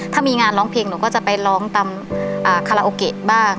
ถ้ามีงานร้องเพลงหนูก็จะไปร้องตามคาราโอเกะบ้าง